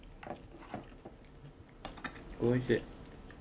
おいしい。